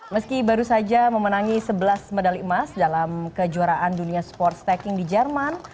meski baru saja memenangi sebelas medali emas dalam kejuaraan dunia sports stacking di jerman